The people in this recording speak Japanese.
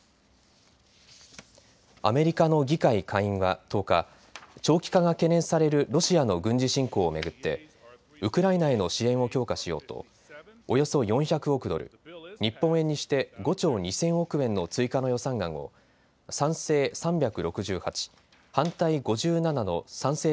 アメリカの議会下院は１０日、長期化が懸念されるロシアの軍事侵攻を巡ってウクライナへの支援を強化しようとおよそ４００億ドル、日本円にして５兆２０００億円の追加の予算案を賛成３６８、反対５７の賛成